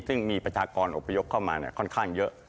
ซึ่งมีประชากรอบพยพเข้ามาค่อนข้างเยอะ